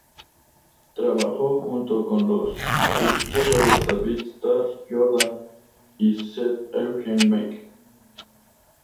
Trabajó junto con los ictiólogos David Starr Jordan y Seth Eugene Meek.